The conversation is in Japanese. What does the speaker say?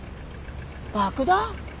爆弾？